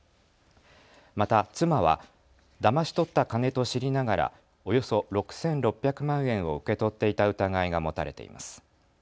また妻はだまし取った金と知りながらおよそ６６００万円を受け取っていた疑いが持たれています。